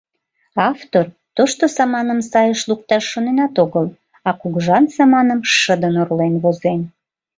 Автор тошто саманым сайыш лукташ шоненат огыл, а кугыжан саманым шыдын орлен возен...